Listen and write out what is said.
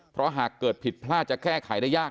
เพราะหากเกิดผิดพลาดจะแก้ไขได้ยาก